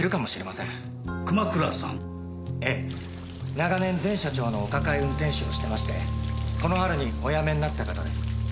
長年前社長のお抱え運転手をしてましてこの春にお辞めになった方です。